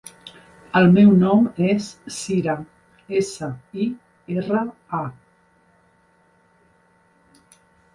El meu nom és Sira: essa, i, erra, a.